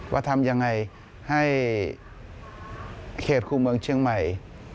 ว่าทำยังไงให้เขตคู่เมืองเชียงใหม่